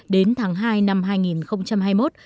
đến tháng hai năm hai nghìn hai mươi một